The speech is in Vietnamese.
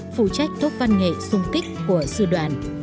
phụ trách tốt văn nghệ sung kích của sư đoàn